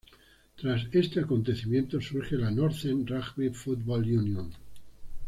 Tras este acontecimiento, surge la Northern Rugby Football Union.